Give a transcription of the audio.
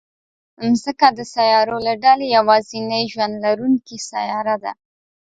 مځکه د سیارو له ډلې یوازینۍ ژوند لرونکې سیاره ده.